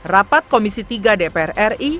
rapat komisi tiga dpr ri